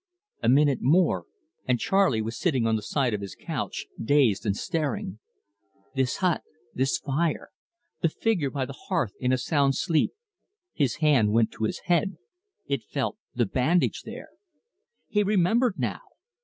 A minute more, and Charley was sitting on the side of his couch, dazed and staring. This hut, this fire, the figure by the hearth in a sound sleep his hand went to his head: it felt the bandage there! He remembered now!